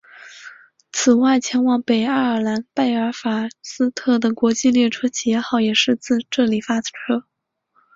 此外前往北爱尔兰贝尔法斯特的国际列车企业号也是自这里发车。